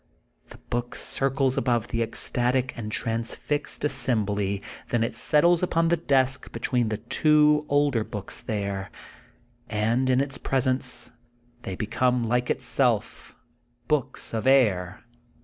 The book circles above the ecstatic and transfixed assembly, then it settles upon the desk between the two older books there, and in its presence they become like itself, books of air.